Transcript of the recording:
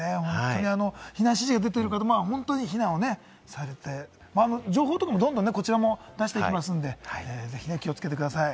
避難指示が出ている方は、本当に避難をされて、情報とかも、どんどんこちらも出していきますんで、ぜひ気をつけてください。